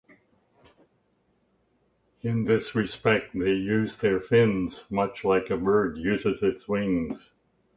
In this respect, they use their fins much like a bird uses its wings.